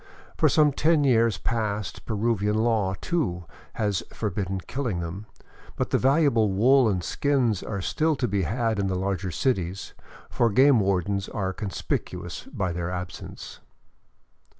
For some ten years past Peruvian law, too, has forbidden killing them, but the valuable wool and skins are still to be had in the larger cities, for game wardens are conspicuous by their absence.